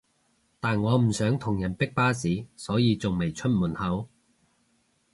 但我唔想同人逼巴士所以仲未出門口